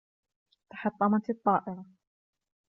تحطمت الطائرة.